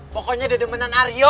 pokoknya dede menan aryo